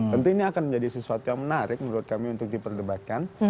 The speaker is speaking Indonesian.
tentu ini akan menjadi sesuatu yang menarik menurut kami untuk diperdebatkan